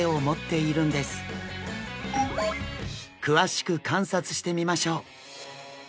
詳しく観察してみましょう。